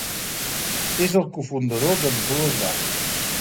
És el cofundador d'ambdues bandes.